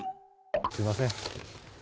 すみません。